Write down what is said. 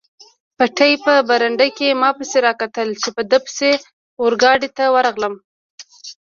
پېټی په برنډه کې ما پسې را کتل، په ده پسې اورګاډي ته ورغلم.